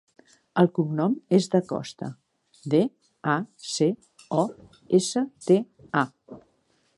El cognom és Dacosta: de, a, ce, o, essa, te, a.